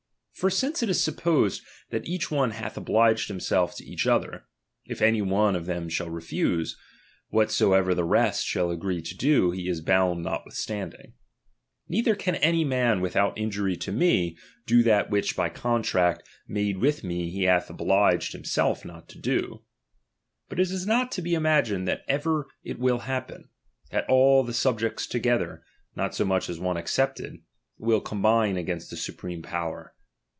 For since it is sup posed that each one hath obliged himself to each other ; if any one of them shall refuse, whatsoever the rest shall agree to do, he is bound notwith standing. Neither can any man without injury to me, do that which by contract made with me he hath obliged himself not to do. But it is not to be imagined that ever it will happen, that all the sub jects together, not so much as one excepted, will combine against the supreme power.